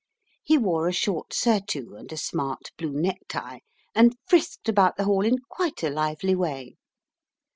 He wore a short surtout and a smart blue necktie, and frisked about the hall in quite a lively way.